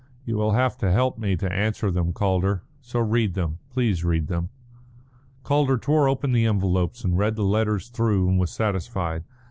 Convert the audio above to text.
"You will have to help me to answer them, Calder. So read them. Please read them." Calder tore open the envelopes and read the letters through and was satisfied.